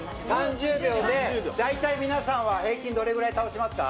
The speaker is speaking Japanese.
３０秒で大体、皆さんは平均どれくらい倒しますか？